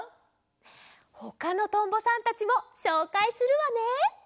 ほかのとんぼさんたちもしょうかいするわね。